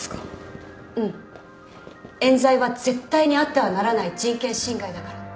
冤罪は絶対にあってはならない人権侵害だから。